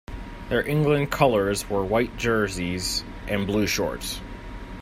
Their England colours were white jerseys and blue shorts.